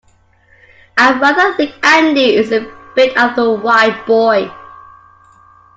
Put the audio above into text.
I rather think Andy is a bit of a wide boy.